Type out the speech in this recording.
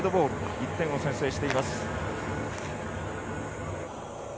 １点を先制しています。